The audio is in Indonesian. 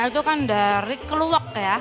itu kan dari keluwak ya